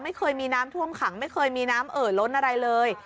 ไม่เคยมีน้ำท่วมขังไม่เคยมีน้ำเอ่อล้นอะไรเลย